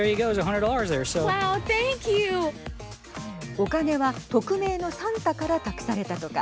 お金は匿名のサンタから託されたとか。